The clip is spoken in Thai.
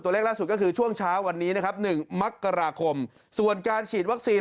ตัวเลขล่าสุดก็คือช่วงเช้าวันนี้๑มักราคมส่วนการฉีดวัคซีน